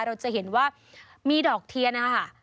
เราจะเห็นว่ามีดอกเทียนนะคะ